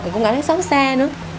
mà cũng cảm thấy xót xa nữa